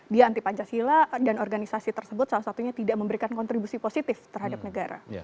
dia anti pancasila dan organisasi tersebut salah satunya tidak memberikan kontribusi positif terhadap negara